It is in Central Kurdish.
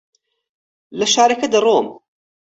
لە شارەکە دەڕۆم.